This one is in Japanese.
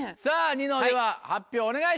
ニノでは発表お願いします。